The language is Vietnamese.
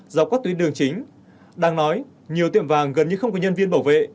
dọc qua tuyến đường chính đang nói nhiều tiệm vàng gần như không có nhân viên bảo vệ